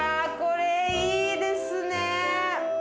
これいいですね！